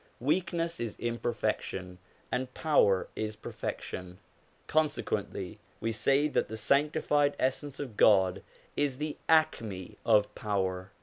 Weakness is imperfection and power is perfection; consequently we say that the sanctified Essence of God is the acrne of power.